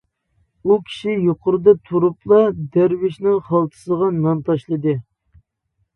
ئۇ كىشى يۇقىرىدا تۇرۇپلا دەرۋىشنىڭ خالتىسىغا نان تاشلىدى.